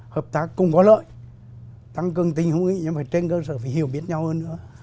hợp tác cùng có lợi tăng cường tính hữu nghị nhưng mà trên cơ sở phải hiểu biết nhau hơn nữa